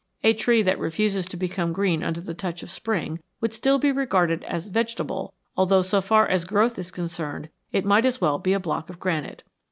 A tree that refuses to become green under the touch of spring would still be regarded as " vegetable," although, so far as growth is concerned, it might as well be a block of granite.